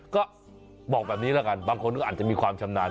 ก็บอกแบบนี้ละกันบางคนก็อาจจะมีความชำนาญ